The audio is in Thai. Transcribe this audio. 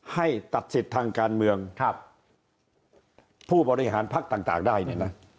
ให้ตัดสิทธิ์ทางการเมืองครับผู้บริหารพักต่างได้เนี่ยนะ